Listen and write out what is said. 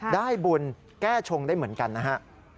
ได้บุญแก้ชงได้เหมือนกันนะฮะ